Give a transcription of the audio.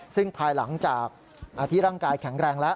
ซึ่งภายหลังจากที่ร่างกายแข็งแรงแล้ว